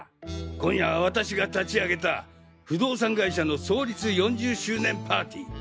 今夜は私が立ち上げた不動産会社の創立４０周年パーティー。